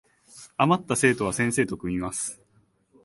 あまった生徒は先生と組みます